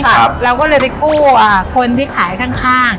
ครับเราก็เลยไปกู้อ่าคนที่ขายข้าง